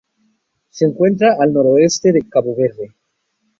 Se encuentra al noroeste de Cabo Verde.